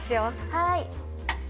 はい。